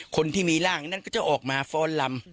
คนที่มีร่างระแวะแกล้งก็จะออกมาซมาฟอนลำ